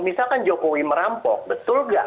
misalkan jokowi merampok betul nggak